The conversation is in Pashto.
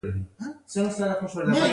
د انار ګل میله په کندهار کې جوړیږي.